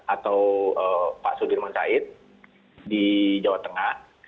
atau pak sudirman said di jawa tengah